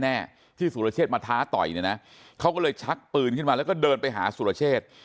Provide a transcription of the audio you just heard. ตอนนี้สุรเชษฐ์มาท้าต่อยเขาก็เลยชักปืนขึ้นมาแล้วก็เดินไปหาสุรเชษฐ์